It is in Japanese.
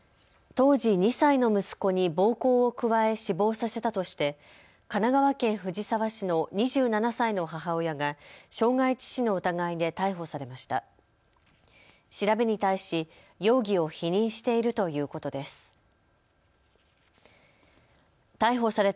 当時２歳の息子に暴行を加え死亡させたとして神奈川県藤沢市の２７歳の母親が傷害致死の疑いで逮捕されました。